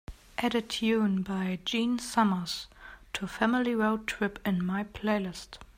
Add a tune by gene summers to family road trip in my playlist